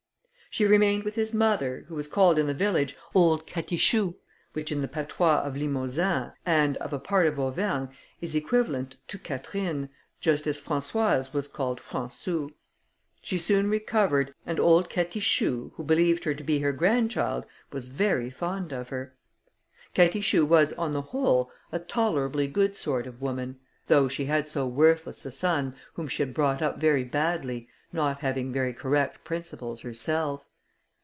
She remained with his mother, who was called in the village old Catichou, which in the patois of Limousin, and of a part of Auvergne, is equivalent to Catherine, just as Françoise was called Françou. She soon recovered, and old Catichou, who believed her to be her grandchild, was very fond of her. Catichou was, on the whole, a tolerably good sort of woman, though she had so worthless a son, whom she had brought up very badly, not having very correct principles herself.